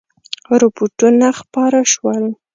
رپوټونه خپاره شول.